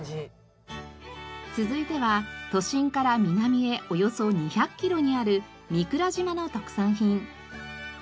続いては都心から南へおよそ２００キロにある御蔵島の特産品。